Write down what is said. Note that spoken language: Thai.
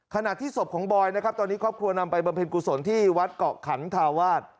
ขณะที่ศพของบอยตอนนี้ครอบครัวนำไปพิมพ์ที่วัดเกาะขันธาวาส